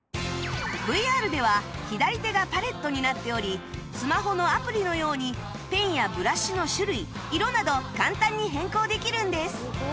ＶＲ では左手がパレットになっておりスマホのアプリのようにペンやブラシの種類色など簡単に変更できるんです